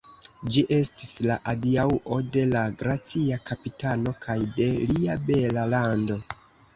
Ĝi estis la adiaŭo de la gracia kapitano kaj de lia bela lando.